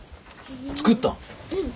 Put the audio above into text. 作ったん？